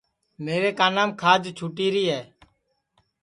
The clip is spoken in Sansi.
میرے کانام کھاج چھُوٹِیری ہے